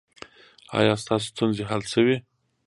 ایا ستاسو ستونزې حل شوې؟